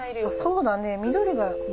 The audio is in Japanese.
あっそうだね緑が。